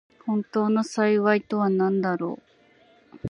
本当の幸いとはなんだろう。